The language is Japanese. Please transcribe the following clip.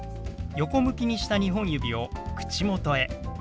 横向きにした２本指を口元へ。